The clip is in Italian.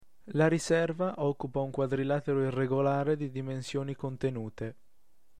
La riserva occupa un quadrilatero irregolare di dimensioni contenute.